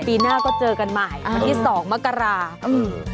ปีหน้าก็เจอกันใหม่วันที่สองมกราอืม